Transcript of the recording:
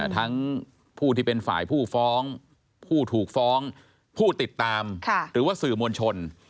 ทั้งผู้ที่เป็นฝ่ายผู้ฟ้องผู้ถูกฟ้องผู้ติดตามหรือว่าสื่อมวลชน